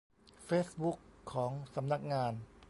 เฟซบุ๊กของสำนักงาน